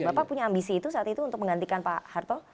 bapak punya ambisi itu saat itu untuk menggantikan pak harto